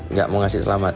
nggak mau ngasih selamat